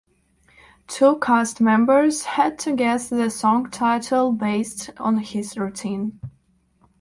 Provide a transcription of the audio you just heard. Two cast members had to guess the song title based on his routine.